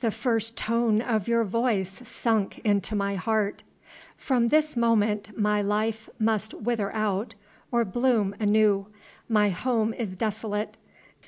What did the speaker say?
The first tone of your voice sunk into my heart. From this moment my life must wither out or bloom anew. My home is desolate.